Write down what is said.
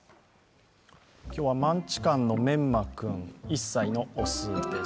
今日はマンチカンのめんま君、１歳の雄です。